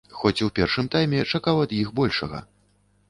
Хоць у першым тайме чакаў ад іх большага.